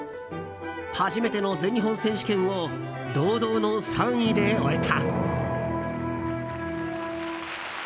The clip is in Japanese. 初めての全日本選手権を堂々の３位で終えた。